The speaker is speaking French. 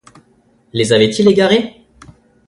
Les avait-il égarés?